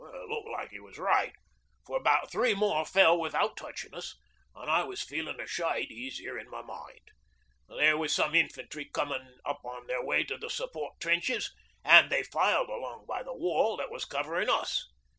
'It looked like he was right, for about three more fell without touchin' us, and I was feeling a shade easier in my mind. There was some infantry comin' up on their way to the support trenches, an' they filed along by the wall that was coverin' us.